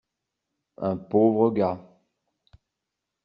Un pauvre gars.